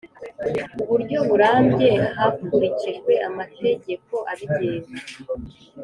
uburyo burambye hakurikijwe amategeko abigenga